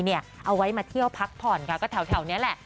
เอาไว้มาเที่ยวพักผ่อนค่ะก็แถวนี้แหละ